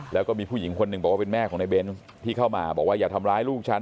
แล้วก็มีผู้หญิงคนหนึ่งบอกว่าเป็นแม่ของในเบนส์ที่เข้ามาบอกว่าอย่าทำร้ายลูกฉัน